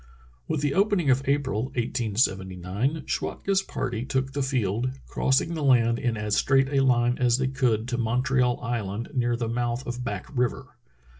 With the opening of April, 1879, Schwatka's party took the field, crossing the land in as straight a line as they could to Montreal Island, near the mouth of Back River.